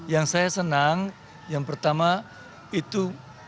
yang saya senang yang pertama itu